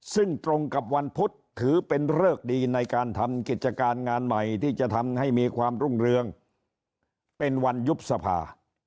ซึ่งตรงกับวันพุธถือเป็นเริกดีในการทำกิจการงานใหม่ที่จะทำให้มีความรุ่งเรืองเป็นวันยุบสภา